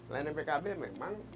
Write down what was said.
lainnya pkb memang